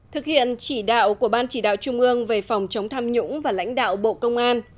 thực hiện chỉ đạo của ban chỉ đạo trung ương về phòng chống tham nhũng và lãnh đạo bộ công an